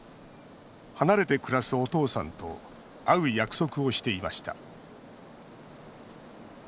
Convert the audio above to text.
離れて暮らすお父さんと会う約束をしていました。